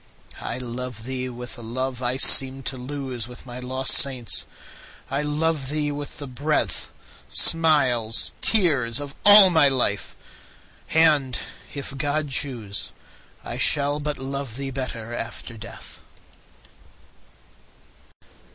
I love thee with a love I seemed to lose With my lost saints,—I love thee with the breath, Smiles, tears, of all my life!—and, if God choose, I shall but love thee better after death.